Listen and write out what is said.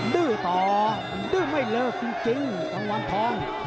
ดื้อต่อมันดื้อไม่เลิกจริงกังวันทอง